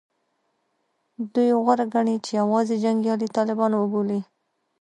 دوی غوره ګڼي چې یوازې جنګیالي طالبان وبولي